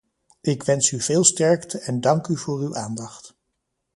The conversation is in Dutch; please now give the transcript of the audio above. Ik wens u veel sterkte en dank u voor uw aandacht.